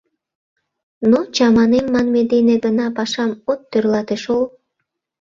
Но чаманем манме дене гына пашам от тӧрлате шол.